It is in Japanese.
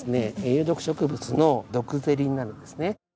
有毒植物のドクゼリになるんですね。